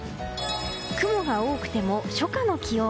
雲が多くても初夏の気温。